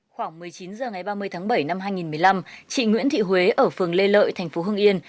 khoảng một mươi chín h ngày ba mươi tháng bảy năm hai nghìn một mươi năm chị nguyễn thị huế ở phường lê lợi thành phố hưng yên